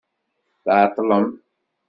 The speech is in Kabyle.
Tɛeṭlem.